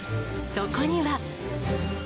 そこには。